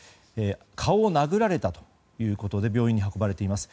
顔を殴られたということで病院に運ばれています。